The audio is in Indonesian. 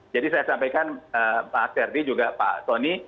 jadi saya sampaikan pak asyardi juga pak tony